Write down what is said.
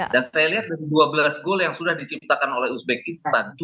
dan saya lihat dari dua belas gol yang sudah diciptakan oleh uzbekistan